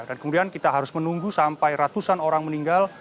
dan kemudian kita harus menunggu sampai ratusan orang meninggal